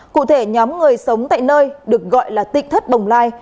cụ thể nhóm người sống tại nơi được gọi là tịnh thất bồng lai